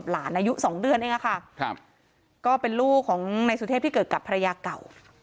ลูกของในสุทธิพย์ที่เกิดกับภรรยาเก่า